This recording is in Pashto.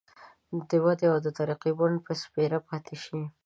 د ودې او ترقۍ بڼ به سپېره پاتي شي.